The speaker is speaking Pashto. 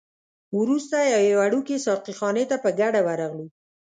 وروسته یوې وړوکي ساقي خانې ته په ګډه ورغلو.